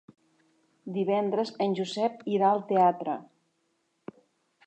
Divendres en Josep irà al teatre.